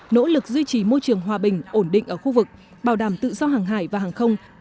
nỗ lực duy trì môi trường hòa bình ổn định ở khu vực bảo đảm tự do hàng hải và hàng không